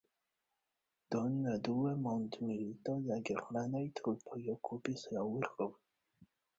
Dum la Dua Mondmilito la germanaj trupoj okupis la urbon.